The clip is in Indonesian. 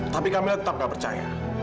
tapi camilla tetap gak percaya